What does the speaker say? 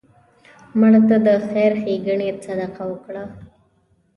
مړه ته د خیر ښیګڼې صدقه وکړه